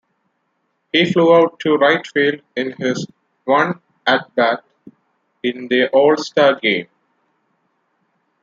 He flew out to right field in his one at-bat in the All-Star game.